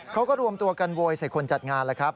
เขาก็รวมตัวกันโวยใส่คนจัดงานแล้วครับ